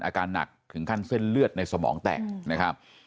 อาการหนักถึงขั้นเส้นเลือดในสมองแตกนะครับ